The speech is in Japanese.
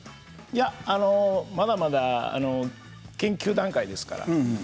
まだまだ研究段階ですから。